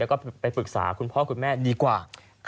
แล้วก็ไปปรึกษาคุณพ่อคุณแม่ดีกว่า